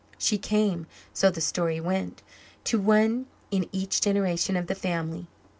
She came, so the story went, to one in each generation of the family.